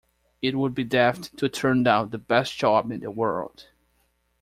It would be daft to turn down the best job in the world.